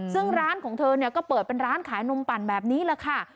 ซึ่งร้านของเธอเนี่ยก็เปิดเป็นร้านขายนมปั่นแบบนี้แหละค่ะ